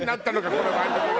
この番組は。